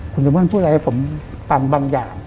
คุณเรมอนพูดอะไรให้ผมฟังบางอย่าง